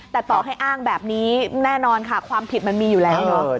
แต่ต่อให้อ้างแบบนี้แน่นอนค่ะความผิดมันมีอยู่แล้วเนอะ